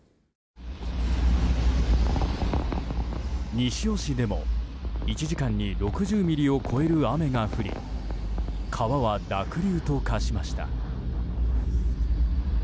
西尾市でも１時間に６０ミリを超える雨が降り川は濁流と化しました。